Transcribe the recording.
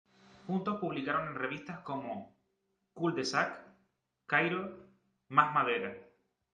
Juntos publicaron en revistas como "Cul-de-Sac", "Cairo", "Más Madera!